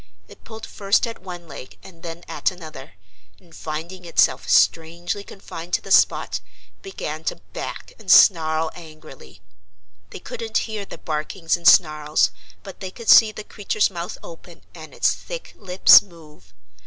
It pulled first at one leg and then at another, and finding itself strangely confined to the spot began to back and snarl angrily. They couldn't hear the barkings and snarls, but they could see the creature's mouth open and its thick lips move.